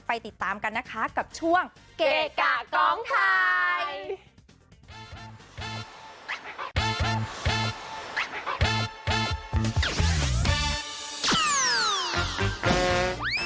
ติดตามกันนะคะกับช่วงเกะกะกองไทย